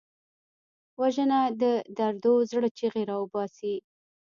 وژنه د دردو زړه چیغې راوباسي